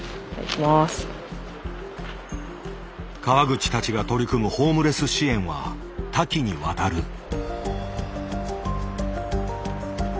川口たちが取り組むホームレス支援は多岐にわたる。